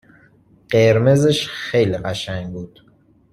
قرمزش خیلی قشنگ بود